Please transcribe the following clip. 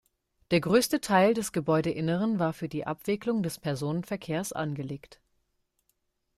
Der größte Teil des Gebäudeinneren war für die Abwicklung des Personenverkehrs angelegt.